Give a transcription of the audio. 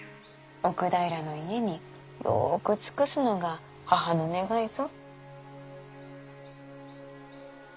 奥平の家によく尽くすのが母の願いぞ。